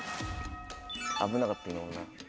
危なかった今もな。